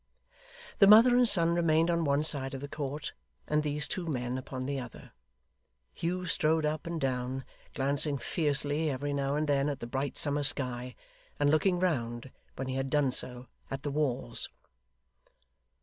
The mother and son remained on one side of the court, and these two men upon the other. Hugh strode up and down, glancing fiercely every now and then at the bright summer sky, and looking round, when he had done so, at the walls.